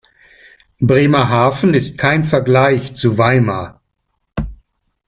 Bremerhaven ist kein Vergleich zu Weimar